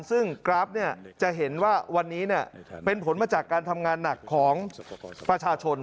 ซึ่งกราฟจะเห็นว่าวันนี้เป็นผลมาจากการทำงานหนักของประชาชน